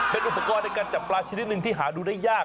เป็นอุปกรณ์ในการจับปลาชนิดหนึ่งที่หาดูได้ยาก